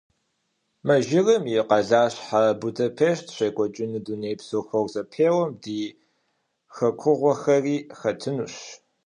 Мэжэрым и къэлащхьэ Будапешт щекӏуэкӏыну дунейпсо хор зэпеуэм ди хэкуэгъухэри хэтынущ.